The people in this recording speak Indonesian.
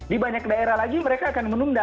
di banyak daerah lagi mereka akan menunda